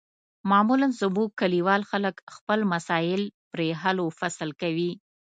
معمولا زموږ کلیوال خلک خپل مسایل پرې حل و فصل کوي.